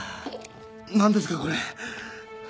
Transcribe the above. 何ですかこれ？